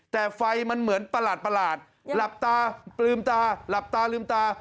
แต่ไฟมันเหมือนประหลาดหลับตาปลืมตาหลับตาลืมตา